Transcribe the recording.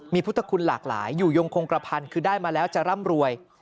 มีพุทธคุณหลากหลายอยู่ยงคงกระพันธ์คือได้มาแล้วจะร่ำรวย